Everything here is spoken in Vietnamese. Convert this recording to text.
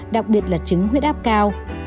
đặc biệt là chứng huyết áp cao